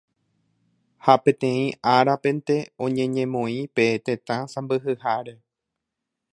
ha peteĩ árapente oñeñemoĩ pe tetã sãmbyhyháre